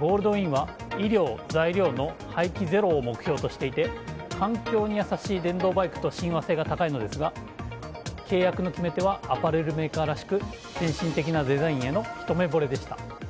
ゴールドウィンは衣料・材料の廃棄ゼロを目標としていて環境に優しい電動バイクと親和性が高いんですが契約の決め手はアパレルメーカーらしく先進的なデザインへのひと目ぼれでした。